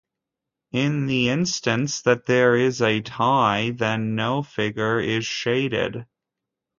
In the instance that there is a tie, then no figure is shaded.